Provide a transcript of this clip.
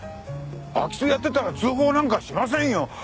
空き巣をやっていたら通報なんかしませんよ。